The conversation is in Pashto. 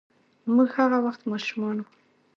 موږ هغه وخت ماشومان وو.